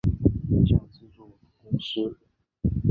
影像制作公司